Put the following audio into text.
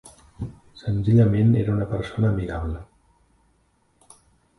Senzillament era una persona amigable.